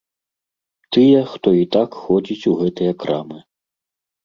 Тыя, хто і так ходзіць у гэтыя крамы.